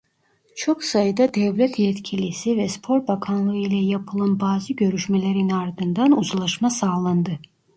Çok sayıda devlet yetkilisi ve spor bakanlığı ile yapılan bazı görüşmelerin ardından uzlaşma sağlandı.